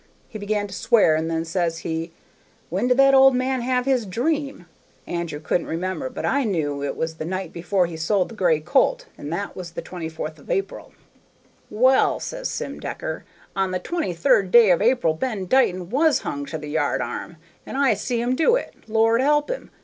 He began to swear, and then says he, 'When did the old man have his dream?' Andrew couldn't remember, but I knew it was the night before he sold the gray colt, and that was the 24th of April. "'Well,' says Sim Decker, 'on the twenty third day of April Ben Dighton was hung to the yard arm, and I see 'em do it, Lord help him!